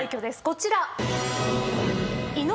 こちら。